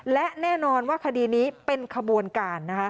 และแน่นอนว่าคดีนี้เป็นขบวนการ